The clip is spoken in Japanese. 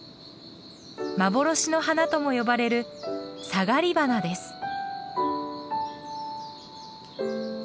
幻の花とも呼ばれるサガリバナです。